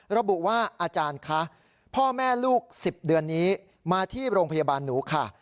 ระบุว่าอาจารย์คะพ่อแม่ลูก๑๐เดือนนี้มาที่โรงพยาบาลหนูค่ะ